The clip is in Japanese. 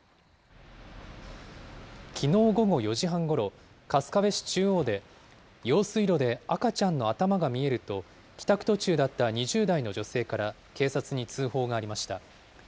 きのう午後４時半ごろ、春日部市中央で、用水路で赤ちゃんの頭が見えると、帰宅途中だった２０代の女性から警察に通報がありました。